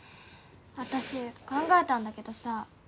私考えたんだけどさ。